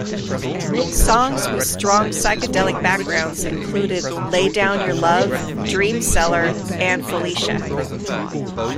Songs with strong psychedelic backgrounds included "Lay Down Your Love", "Dreamseller" and "Felicia".